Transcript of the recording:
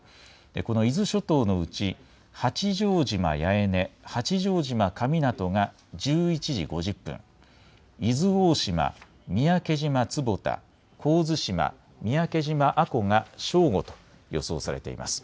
この伊豆諸島のうち八丈島八重根、八丈島神湊が１１時５０分、伊豆大島、三宅島坪田、神津島、三宅島阿古が正午と予想されています。